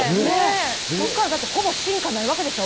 そこからだってほぼ進化ないわけでしょ。